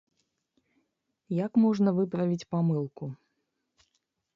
Як можна выправіць памылку?